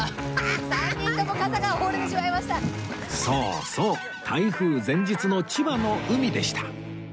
そうそう台風前日の千葉の海でした